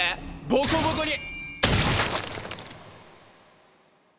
ボコボコに。